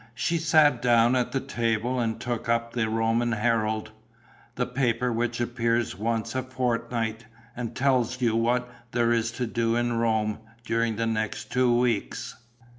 She sat down at the table and took up the Roman Herald, the paper which appears once a fortnight and tells you what there is to do in Rome during the next two weeks.